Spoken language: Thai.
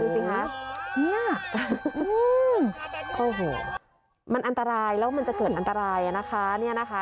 ดูสิคะอื้อหือมันอันตรายแล้วมันจะเกิดอันตรายนะคะ